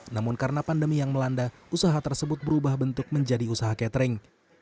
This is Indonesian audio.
namun karena pandemi yang melanda usaha tersebut berubah bentuk menjadi usaha catering